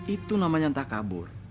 itu namanya takabur